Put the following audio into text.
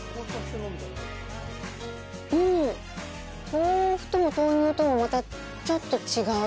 豆腐とも豆乳とも、またちょっと違う。